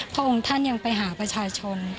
พระองค์ท่านยังไปหาประชาชน